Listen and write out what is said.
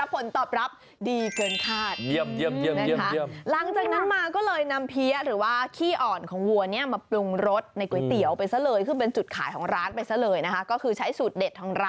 ก็คือเอาจริงให้ลูกค้าสามารถเลือกเติมลงไปได้ตามใจชอบ